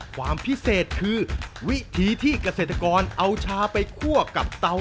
เอาเมนูน้ำนะครับ